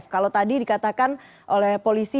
kalau tadi dikatakan oleh polisi